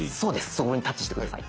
そこにタッチして下さい。